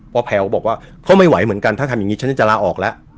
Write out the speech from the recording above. ว่าแพร่วก็บอกว่าเขาไม่ไหวเหมือนกันถ้าทำอย่างงี้ฉันก็จะลาออกแล้ว